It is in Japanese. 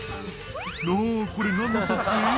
「なぁこれ何の撮影？」